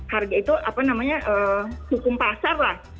harga itu hukum pasar lah